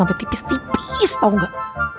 sampai tipis tipis tau gak